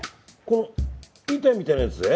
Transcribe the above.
この板みたいなやつで？